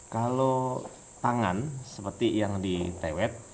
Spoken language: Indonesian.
kalau tangan seperti yang ditewet